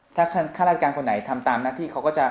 ถ้าข้าราชการคนไหนทำตามหน้าที่เขาก็จะ